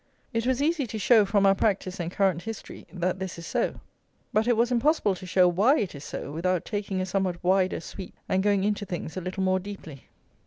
It was easy to show from our practice and current history that this is so; but it was impossible to show why it is so without taking a somewhat wider sweep and going into things a little more deeply.